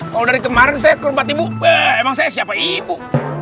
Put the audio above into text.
kalo dari kemaren saya kelompat ibu emang saya siapa ibu